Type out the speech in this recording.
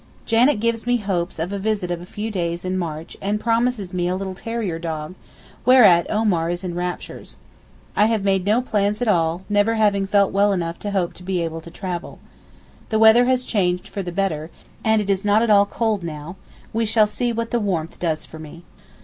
Janet gives me hopes of a visit of a few days in March and promises me a little terrier dog, whereat Omar is in raptures. I have made no plans at all, never having felt well enough to hope to be able to travel. The weather has changed for the better, and it is not at all old now; we shall see what the warmth does for me.